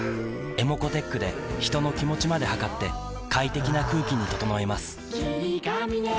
ｅｍｏｃｏーｔｅｃｈで人の気持ちまで測って快適な空気に整えます